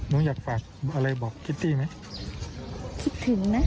น้องอยากฝากอะไรบอกคิตตี้ไหม